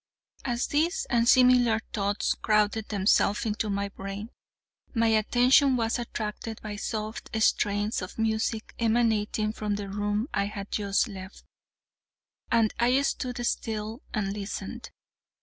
As these and similar thoughts crowded themselves into my brain, my attention was attracted by soft strains of music emanating from the room I had just left, and I stood still and listened.